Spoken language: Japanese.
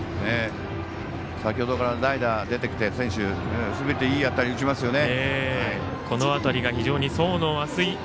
先ほどから代打で出てきた選手、すべていい当たり打ちますよね。